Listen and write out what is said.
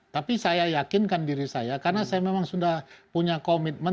tapi saya yakinkan diri saya karena saya memang sudah punya komitmen